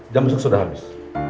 jam besok sudah habis